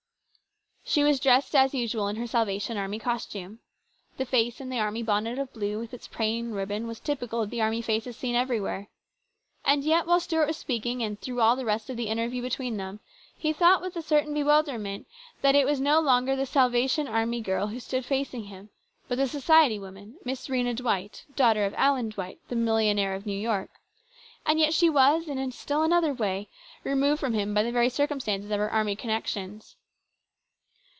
She was dressed as usual in her Salvation Army DISAPPOINTMENT. 227 costume. The face in the army bonnet of blue, with its plain ribbons, was typical of the army faces seen everywhere. And yet, while Stuart was speaking, and all through the rest of the interview between them, he thought, with a certain bewilderment, that it was no longer the Salvation Army girl who stood facing him, but the society woman, Miss Rhena Dwight, daughter of Allen Dwight, the millionaire of New York. And yet she was, in still another way, removed from him by the very circumstances of her army connections.